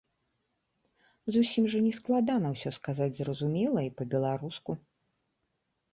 Зусім жа не складана ўсё сказаць зразумела і па-беларуску.